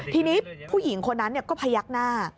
ทีนี้ผู้หญิงคนนั้นก็พยักหน้า